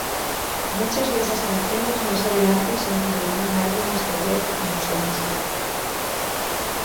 Muchas de esas canciones más adelante se incluirán en álbumes de Webb como solista.